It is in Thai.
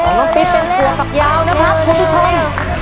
ของน้องปิ๊ดเป็นขวักยาวนะครับคุณผู้ชม